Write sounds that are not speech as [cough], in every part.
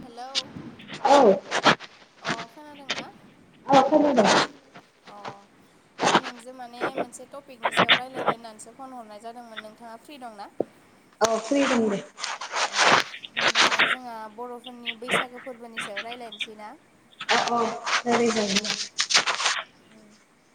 Hello औ अ खोनादों ना? औ खोनादों। अ आं नोंजो माने मोनसे टपिकनि सायाव रायज्लायनो होननानैसो फन हरनाय जादोंमोन। नोंथाङा फ्रि दं ना? औ फ्रि दं दे। अ होमबा जोंहा बर'फोरनि बैसागो फोरबोनि सायाव रायलायनसै ना? अ अ अ उम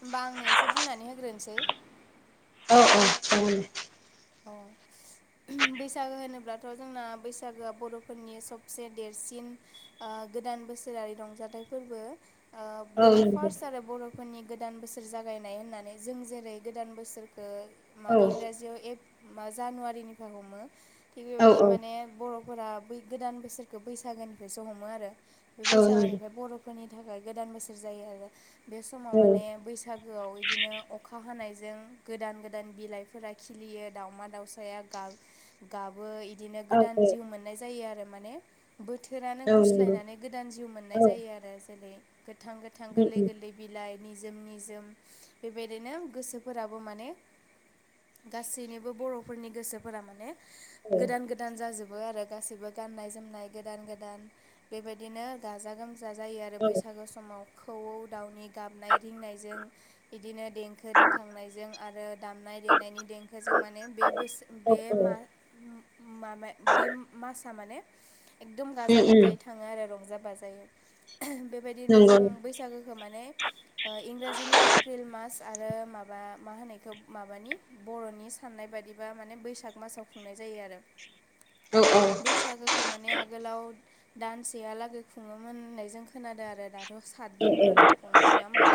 होमबा आंनो एसे बुंनानै होग्रोनसै। औ औ अ [unintelligible] बैसागो होनोब्लाथ' जोंना बैसागोआ बर'फोरनि सबसे देरसिन आ गोदान बोसोरारि रंजाथाइ फोरबो ओ बेनो दे फार्स्ट आरो बर' फोरनि गोदान बोसोर जागायनाय होननानै। जों जेरै गोदान बोसोरखो औ मा इंराजियाव एप मा जानुवारिनिफ्राय हमो थिग बेबायदि औ माने बर' फोरा बै गोदान बोसोरखो बैसागोनिफ्रायसो हमो आरो। बे जागोन बैसागोनिफ्राय बर' फोरनि थाखाय गोदान बोसोर जायो आरो बे समाव माने बैसा सागोआव इदिनो अखा हानायजों गोदान गोदान बिलाइफोरा खिलियो। दावमा दावसाया गा गाबो इदिनो गोदान जिउ मोननाय जायो आरो माने। बोथोरानो गुस्लायनानै गोदान जिउ मोननाय जायो आरो। जेरै गोथां गोथां गोलै गोलै बिलाइ निजोम निजोम बेबायदिनो गोसोफोराबो माने गासैनिबो बर'फोरनि गोसोफोरा माने गोदान गोद गोदान जाजोबो आरो गासैबो गाननाय जोमनाय गोदान गोदान। बेबायदिनो गाजा गोमजा जायो आरो बैसागो समाव खौवौ दाउनि गाबनाय रिंनायजों बिदिनो देंखो रिंखांनायजों आरो दामनाय देनायनि देंखो जों माने बे बोसो बे दे मा माबा बे मासआ माने एकदम औ गाजा गोमजायै थाङो आरो रंजा बाजायै बेबायदिनो नंगौ जों बैसागो खो माने ओ इंराजिनि एप्रिल मास आरो माबा मा होनायखौ माबानि बर'नि साननाय बादिबा माने बैसाग मासाव खुंनाय जायो आरो औ बैसागो खो माने आगोलाव दानसेहालागै खुङोमोन होननाय जों खोनादों आरो दाथ' औ नंगौ सातदिनफोरल' खुङो। नोङा होमबा?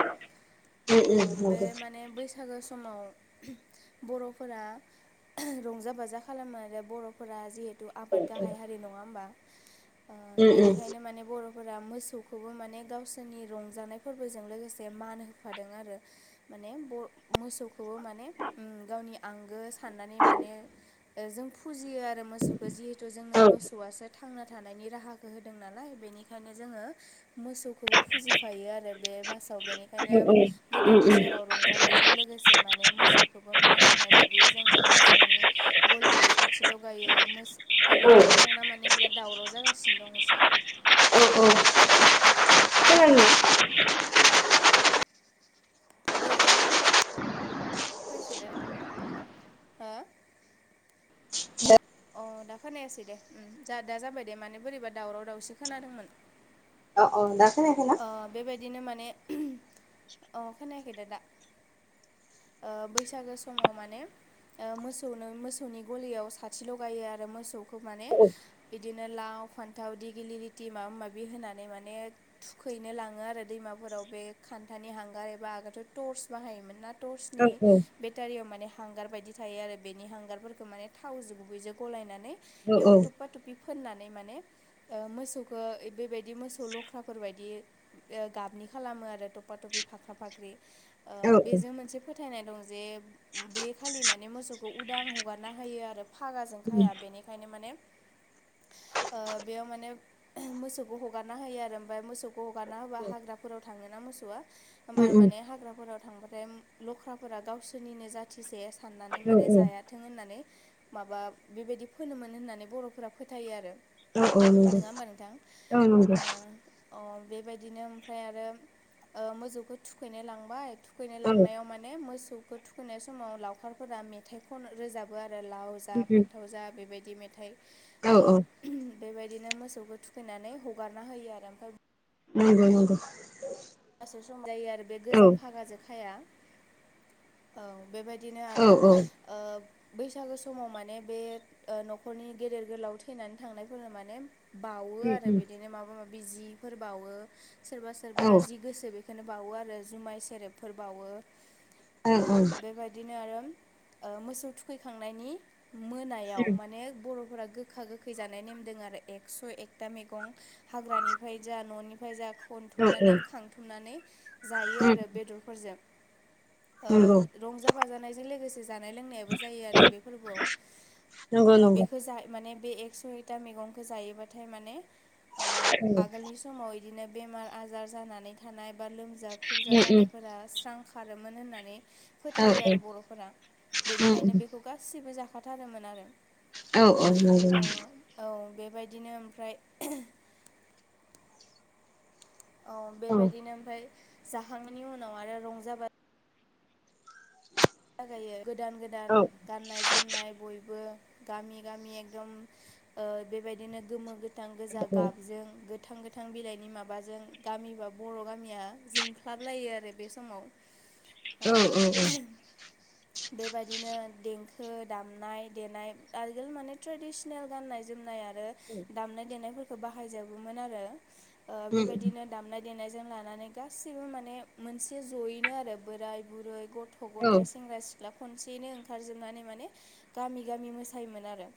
औ ओ औ नंगौ औ उम बे औ माने बैस सागो समाव बर' फोरा रंजा बाजा खालामो आरो बर'फोरा जिहेतु आबाद गाहाय औ हारि नङा होमबा ओ औ उम बेनिखायनो माने बर' फोरा मोसौखौबो माने गावसोरनि रंजानाय फोरबोजों लोगोसे मान होफादों आरो। माने ब मोसौखौबो माने उम गावनि आंगो साननानै माने ओ जों फुजियो आरो मोसौखौ जिहेथु जोंनो मोसौआसो थांना थानायनि राहाखो होदों नालाय बेनिखायनो जोङो मोसौखौबो फुजिफायो आरो बे मासाव बेनिखायनो उम गोदान नंगौ बोसोराव रंजानायजों लोगोसे माने मोसौखौबो मान होनाय दि जोङो मोसौनि गलियाव साथि लगायो मोस औ हेलौ नोंथा थांना माने बिराद दावराव जागासिनो दं एसे। ओ औ अ औ औ बेग्राउन नयस प्रेसिडेन्ट। हो? [unintelligible] अ दा खोनायासै दे उम जा दा जाबाय दे माने बोरैबा दावराव दावसि खोनादोंमोन अ अ दा खोनायाखैना? ओ बेबायदिनो माने [unintelligible] अ खोनायाखै दा दा? ओ बैसागो समाव माने ओ मोसौनो मोसौनि गलियाव सा थि लगायो आरो मोसौखौ माने औ बिदिनो लाव फान्थाव दिगिलि लिटि माबा माबि होनानै माने थुखैनो लाङो आरो दैमाफोराव बे खान्थानि हांगार एबा आगोथ' टर्स बाहायोमोन ना औ टर्चनि बेटारियाव माने हांगार बायदि थायो आरो बेनि हांगारफोरखो माने थावजो गु गुयजो गलायनानै इयाव थुफा थुफि फोननानै माने ओ मोसौखो इ बेबायदि मोसौ लख्राफोर बायदि ओ गाबनि खालामो आरो थफा थफि फाख्रा फाख्रि। ओ औ बेजो मोनसे फो थायनाय दं जे बे खालि माने मोसौखौ उदां हगारना होयो आरो फागाजों खाया बेनिखायनो माने ओ बेयाव माने मोसौखौ हगारना होयो आरो ओमफाय मोसौ खौ हगारना होबा हाग्राफोराव थांङोना मोसौआ उम होमबानो माने हाग्राफोराव थांबाथाय लख्राफोरा गावसोरनिनो जाथिसे औ साननानै माने जायाथों होननानै माबा बेबायदि फोनोमोन होननानै बर'फोरा फोथायो आरो। औ औ औ नंगौ नोङा होमबा नोंथां? औ नंगौ ओ अ बेबायदिनो ओमफ्राय आरो ओ मोजौखौ थुखैनाय लांबाय थु खैनो औ उम लांनायाव माने मोसौखो थुखैनाय समाव लावखारफोरा मेथाइ खन रोजाबो आरो लाव जा फान्थाव जा बेबायदि मेथाइ औ ओ औ बेबायदिनो मोसौखौ थुखैनानै हगारना होयो आरो ओमफाय नोंगौ नोंगौ। लासे समजायो आरो बे गोजाम फागाजो खाया औ। बेबायदिनो औ आरो ओ बैसागो समाव माने बे ओ न'खरनि गेदेर गोलाव थैनानै थांनायफोरनो माने बावो आरो बिदिनो माबा माबि जिफोर बावो सोरबा औ ओं सोरबा जि गोसो बेखोनो बावो आरो जुमाय सेरेबफोर बावो। औ बेबायदिनो आरो ओ मोसौ थुखैखांनायनि मोनायाव माने बर'फोरा गो खा गोखै जानाय नेमदों आरो एकस' एकथा मैगं हाग्रानिफ्राय जा न'निफ्राय जा औ नंगौ खनथुमनानै खांथुमनानै जायो आरो बेदरफोरजों। नंगौ औ ओ रंजा बाजानायजों लोगोसे जानाय लोंनायाबो जायो आरो बे फोरबोआव। औ ओ नंगौ बेखौ औ जाय माने बे एकस' एथा मैगंखो जायोबाथाय माने ओ औ आगोलनि समाव इदिनो बेमार आजार जानानै थानाय बा लोमजा ख्रुबजा जानायफोरा स्रां खारोमोन होननानै औ फोथायो औ आरो बर'फोरा। उम बेनिखायनो उम उम नंगौ बेखौ गासिबो जाखाथारोमोन आरो। औ औ उम औ उम औ बेबायदिनो ओमफ्राय औ बेबायदिनो ओमफाय जाखांनायनि उनाव आरो रंजा बा [unintelligible] गोदान गोदान गाननाय जोमनाय बयबो गामि गामि एकदम ओ बेबायदिनो गोमो गो थां गोजा गाबजों गोथां गो थां बिलाइनि माबाजों गामि बा बर' गामिया जोंख्लाबलायो आरो बे समाव। ओ बेबायदिनो देंखो दामनाय देनाय आगोल माने ट्रेडिसनेल गाननाय जोमनाय आर रो दामनाय देनायफोरखौ बाहायजोबोमोन आरो बेबायदिनो दामनाय देनायजों लानानै गासिबो माने मोनसे जयैनो आरो बोराय बुरै गथ' थाय सेंग्रा सिख्ला खनसेयैनो ओंखारजोबनानै माने गामि गामि मोसायोमोन आरो।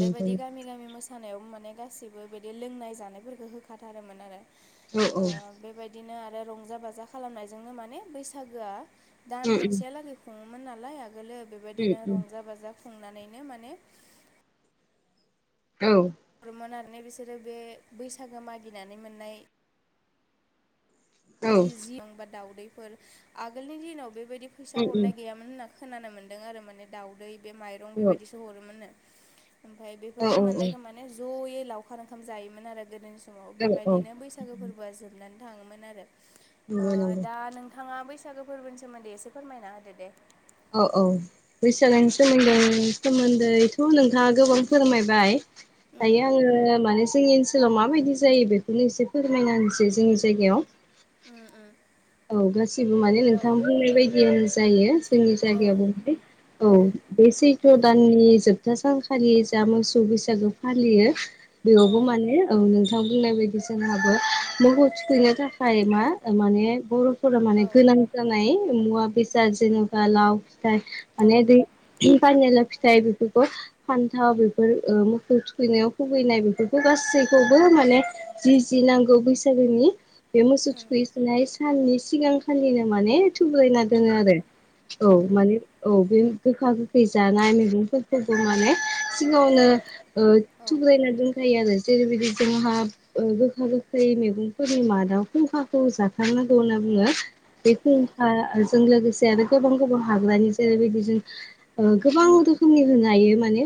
बेबायदि गामि गामि मोसा ‌ नायाव माने गासिबो बिदि लोंनाय जानायफोरखौ होखाथारोमोन आरो। ओ बेबायद दिनो आरो रंजा बाजा खालामनायजोंनो माने बैसागोआ दान मोनसेयालागै खुङोमोन नालाय आगोलो बेबायदिनो रंजा बाजा खुंनानैनो माने औ। बर'मोन बिसोरो बे बैसागो मागिनानै मोननाय जि जि बा दाउदैफोर आगोलनि दिनाव बेबायदि फैसा हरनाय गैयामो मोन होनना खोनानो मोन्दों आरो माने दावदै बे माइरं बेबायदिसो हरोमोननो। ओमफाय बेफोरखौ मोननायखौ माने ज'यै लावखार ओंखाम जायोमोन आरो गोदोनि समाव औ बेबायदिनो बैसागो फोरबोआ जोबनानै थाङोमोन आर नंगौ ओ नंगौ दा नोंथाङा बैसागो फोरबोनि सोमोन्दै एसे फोरमायना होदो दे। औ औ उम बैसागोनि सोमोनदै- सोमोन्दैथ' नोंथाङा गोबां फोरमायबाय। दायो आङो जोंनि ओनसोलाव माबायदि जायो बेखौनो एसे फोरमायनानैसै जोंनि जायगायाव। उम उम। औ गासिबो माने औ नोंथां बुंनाय बायदियानो जायो। जोंनि जायगायावबो औ बे सैथ' दाननि जोब खोथा सानखालि जा मोसौ बैसागो फालियो औ बेयावबो माने औ नोंथां बुंनाय बायदि जोंहाबो मगखौ थुखैनो थाखाय मा माने बर' फोर माने औ गोनां जानाय मुवा बेसाद जेनेबा लाव फिथाइ माने दै पानि लाव फिथाइ बेफोरखौ फान्थाव बेफोर ओ मोखौ थुखैनायाव खुगैनाय बेफोरखौ गासैखौबो माने जि जि नांगौ बैसागोनि बे मोसौ थुखै सोनाय साननि सिगांखालिनो माने थुब्रायना औ दङो आरो। औ माने औ बे गोखा-गोखै जानाय मैगंफोरखौबो माने सिगावनो औ थुब्रायना जायो आरो जेरैबायदि जोंहा गोखा गोखै मैगंफोरनि मादा खुंखाखौ जा थारनांगौ होनना बुङो। बे औ खुंखाजों लोगोसे आरो गोबां गोबां हाग्रानि जेरैबायदि जों गोबां रोखोमनि होनो हायो माने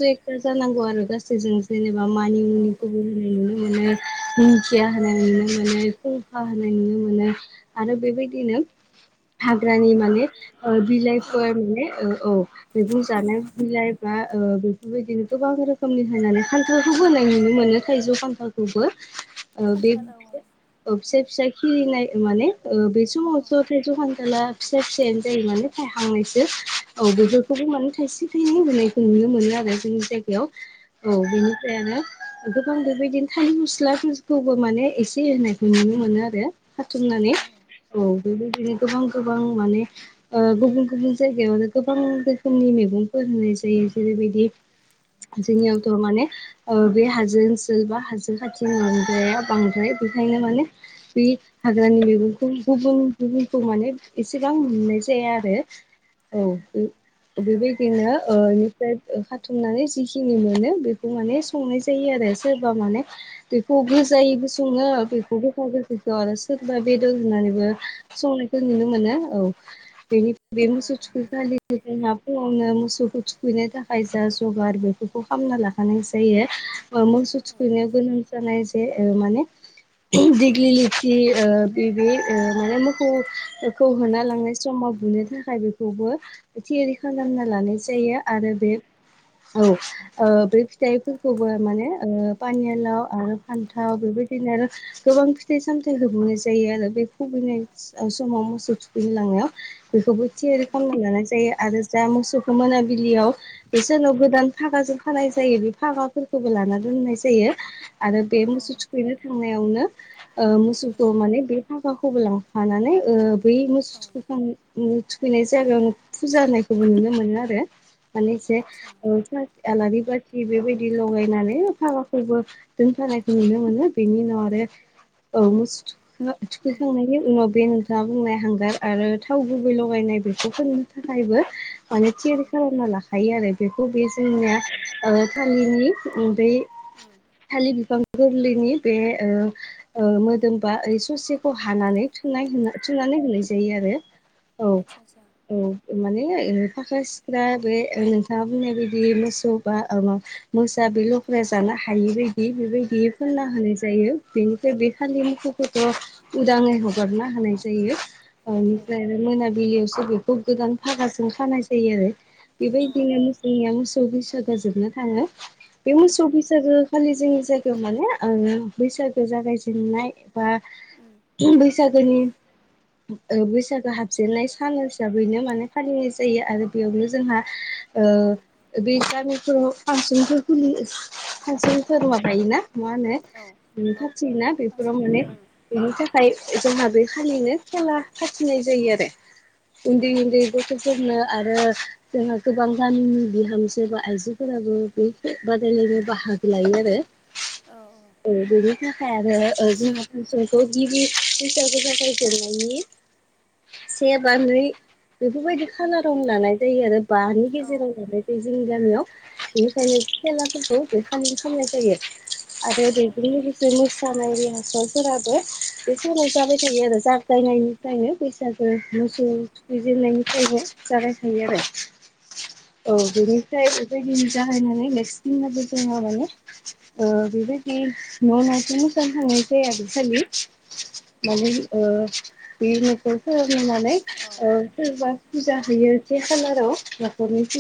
औ एकथा जानांगौ आरो गासैजों जेनेबा औ मानिमुनि खोबो होनाय नुनो मोनो दिंखिया होनाय नुनो मोनो खा होनाय नुनो मोनो आरो बेबायदिनो हाग्रानि माने ओ औ बिलाइफोर माने ओ औ मैगं जानाय बिलाइ बा बेफोरबायदिनो गोबां रोखोमनि होनानै खान्थालखौ होनाय नुनो मोनो थाइजौ, खान्थालखौबो ओ बे खान्थाल औ औ। ओ फिसा फिसा खिरिनाय माने बे औ समावथ' दखानदाला फिसा फिसायानो जायो माने। हखांनायसो औ बेफोरखौबो माने थायसे थाइनै होनायखौ नुनो मोनो आरो जोंनि जायगायाव। औ बेनिफ्रायनो गोबां बेबायदिनो थाल मस्लाफोरखौबो माने एसे होनाय नुनो मोनो आरो हथुमनानै औ बेबायदिनो गोबां गोबां माने गुबुन गुबुन जायगायावनो गोबां रोखोमनि मैगंफोर होनाय जायो जेरैबायदि जोंनियावथ' माने ओ बे हाजो ओनसोल बा हाजो खाथि [unintelligible] बांद्राय बेखायनो माने बे हाग्रानि मैगंखौ गुबुन गुबुनखौ माने एसेबां मोननाय जाया आरो औ ओ बेबायदिनो ओ खाथुमनानै जिखिनि मोनो बेखौ माने संनाय जायो आरो सोरबा माने बेखौ गोजायैबो सङो बेखौ गोखा गोखैखौ आरो सोरबा बेदर होनानैबो संनायखौ नुनो मोनो औ बेनि बे मोसौ थुखैखालिनि उनाव फुङावनो मोसौखौ थुखैनो थाखाय जा जगार बेफोरखौ खालामना लाखानाय जायो ओ मोसौ थुखैनायाव गोनां जानाय जे ओ माने दि दिगलिलिथि ओ बैबे माने मोसौखौ होना लांनाय समाव बुनो थाखाय बे खौबो थियारि खालामना लानाय जायो आरो बे औ बे फिथाइफोरखौबो माने पानियालाव आरो फान्थाव बेबायदिनो आरो गोबां फिथाइ सामथाय होबनाय जायो आरो बे खुबिनाय समाव मोसौ थुखैनो लांनायाव बेखौबो थियारि खालामनो लानाय जायो आरो जा मोसौखौ मोनाबिलियाव बे सानाव गोदान फागाजों खानाय जायो बे फागाफोरखौबो लाना दोननाय जायो आरो बे औ मोसौ थुखैनो थांनायावनो ओ मोसौखौ माने बे थाखाखौबो लांफानानै ओ बै मोसौ औ थुखैखां थुखैनाय जायागायाव फुजा होनायखौबो नुनो मोनो आरो माने जे आतसा ओ [unintelligible] उम आलारि बाथि थि बेबायदि लगायनानै फागाखोबो दोनफानायखौ नुनो मोनो बेनि उनाव आरो औ मोसौ थु उम थुखैखांनायनि उनाव बे नोंथाङा बुंनाय हांगार आरो थाव गुबै लगायनाय बेखौ फोननो थाखायबो माने थियारि उम खालामना लाखायो आरो बेखौ बे औ जोंनिया ओ उम थालिनि बै उम थालि बिफां गोरलैनि बे ओ ओ मोदोमबा ओरै ससेखौ हानानै थुनाय होन औ थुनानै होनाय जायो आरो औ आतसा आतसा औ उम माने ओ फाख्रा सिख्रा बे नोंथाङा बुंनाय बायदि मोसौ बा ओ मा मोसा बे लख्राया जानो हायि बायदि बेबायदि फोनना उम होनाय जायो बेनि बेखालि मोसौखौथ' उदाङै हगारना होनाय जायो उम बेनिफ्राय आरो मोनाबिलियावसो बेखौ गोदान फागाजों खानाय जायो आरो औ बेबायदिनो औ मोसौनिया मोसौ बैसोगोआ जोबना थाङो बे उम मोसौ उम बैसागो खालि जोंनि जायगायाव माने ओ बैसागो जागाय जेननाय बा उम बैसागोनि ओ बैसागो हाबजेननाय सान हिसाबैनो माने फालिनाय जायो आरो बेयावनो जोंहा ओह बे गामिफोराव फांसनफोर खुलिस फांसनफोर माबायोना मा होनो औ औ। ना फांसन बेफोराव माने खुङो बेनि थाखाय जोंहा बे खालिनो खेला खाथिनाय जायो आरो। उन्दै उन्दै गथ'फोरनो आरो जोंहा गोबां गामिनि बिहामजो बा आइजोफोराबो बे बादायलायनायाव बाहागो लायो आरो। औ औ। [unintelligible] थाखाय आरो जोंहा [unintelligible] गिबि बैसागु जागायजेननायनि से बा नै बेफोरबायदि खाना रं लानाय जायो आरो बानि औ गेजेराव लानाय जायो जोंनि गामियाव बेनिखायनो उम खेलाफोरखौ बेखालिनो खामनाय जायो आरो औ बेजों औ लोगोसे मोसानाय [unintelligible] फोराबो [unintelligible] जाबाय थायो आरो जागायनायनि फ्रायनो बैसागो मोसौै थुखैजेननायनिफ्रायनो जागायखायो आरो ज औ बेनिफ्राय बेबायदिनो जाहैनानै नेक्स दिनावबो जोङो माने ओ बेबायदि न'आव [unintelligible] थांनाय जाया बे खालि। माने ओ बे [unintelligible] फ्राय ओ सोरबा फुजा औ होयो बे खालाराव बोथौनि फु